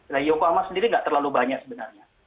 nah di yokohama sendiri tidak terlalu banyak sebenarnya